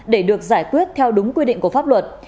để được giải quyết theo đúng quy định của pháp luật